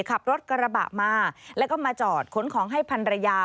ขับรถกระบะมาแล้วก็มาจอดขนของให้พันรยา